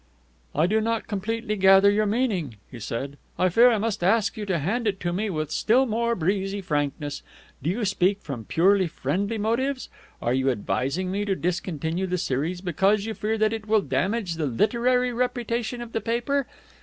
"I do not completely gather your meaning," he said. "I fear I must ask you to hand it to me with still more breezy frankness. Do you speak from purely friendly motives? Are you advising me to discontinue the series because you fear that it will damage the literary reputation of the paper?